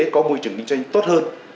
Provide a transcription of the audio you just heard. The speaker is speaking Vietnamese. có môi trường kinh doanh tốt hơn